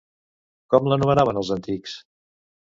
Com l'anomenaven els antics?